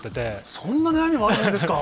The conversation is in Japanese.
そんな悩みもあるんですか。